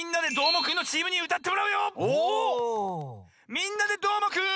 「みんなＤＥどーもくん！」。